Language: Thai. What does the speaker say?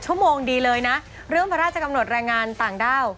ชั่วโมงดีเลยนะเรื่องพระราชกำหนดแรงงานต่างด้าว